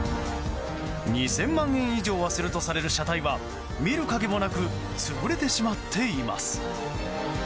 ２０００万円以上はするとされる車体は見る影もなく潰れてしまっています。